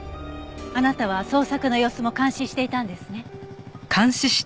あなたは捜索の様子も監視していたんですね？